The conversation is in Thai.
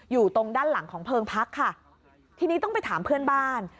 อยู่ตรงด้านหลังของเพลิงพักค่ะทีนี้ต้องไปถามเพื่อนบ้าน